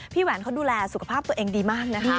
แหวนเขาดูแลสุขภาพตัวเองดีมากนะคะ